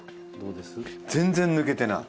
全然抜けてない。